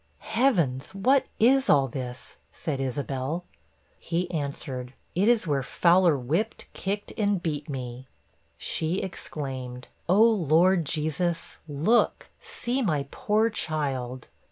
'Heavens! what is all this? ' said Isabel. He answered, 'It is where Fowler whipped, kicked, and beat me.' She exclaimed, 'Oh, Lord Jesus, look! see my poor child!